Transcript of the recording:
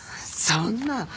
そんな！